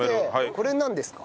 これなんですか？